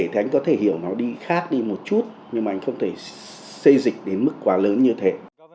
thì anh có thể hiểu nó đi khác đi một chút nhưng mà anh không thể xây dịch đến mức quá lớn như thế